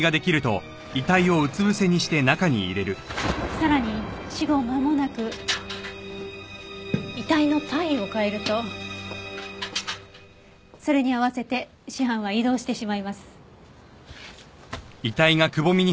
さらに死後まもなく遺体の体位を変えるとそれに合わせて死斑は移動してしまいます。